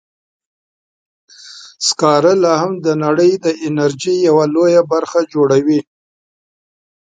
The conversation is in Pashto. سکاره لا هم د نړۍ د انرژۍ یوه لویه برخه جوړوي.